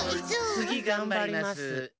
つぎがんばります。